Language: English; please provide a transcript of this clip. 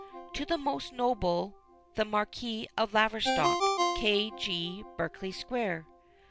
_ To the Most Noble the Marquis of Laverstock, K. G., Berkeley Square.